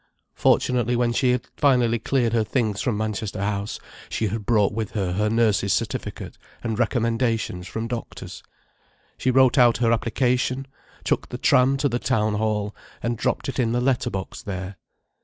Fortunately, when she had finally cleared her things from Manchester House, she had brought with her her nurse's certificate, and recommendations from doctors. She wrote out her application, took the tram to the Town Hall and dropped it in the letterbox there.